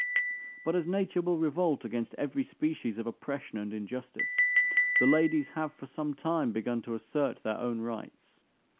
But as nature will revolt against every species of oppression and injustice, the ladies have for some time begun to assert their own rights.